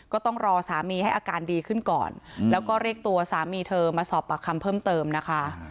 ก็ต้องรอสามีให้อาการดีขึ้นก่อนแล้วก็เรียกตัวสามีเธอมาสอบปากคำเพิ่มเติมนะคะ